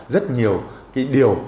rất nhiều cái điều